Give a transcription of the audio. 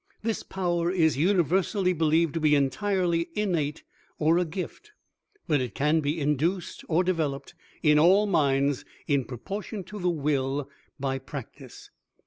This power is universally believed to be entirely innate or a gift; but it can be induced or developed in all minds in proportion to the will by practice.